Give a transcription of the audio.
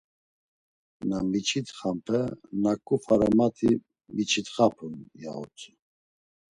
Na miç̌itxampe naǩu fara mati miç̌itxapun, ya utzu.